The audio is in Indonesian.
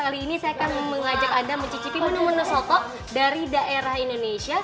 kali ini saya akan mengajak anda mencicipi menu menu soto dari daerah indonesia